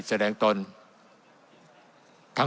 ๔๔๓แสดงตนครับ